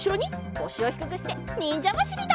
こしをひくくしてにんじゃばしりだ！